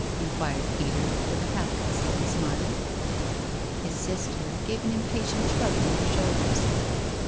in quired Peter, with a half concealed smile. His sister gave an impatient shrug to her shoulders.